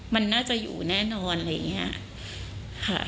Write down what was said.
มันน่าจะอยู่แน่นอนอะไรอย่างนี้ค่ะ